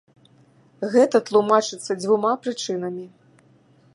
Гэта тлумачыцца дзвюма прычынамі.